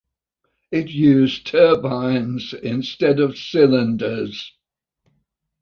It used turbines instead of cylinders.